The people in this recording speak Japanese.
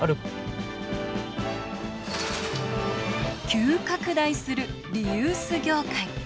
急拡大するリユース業界。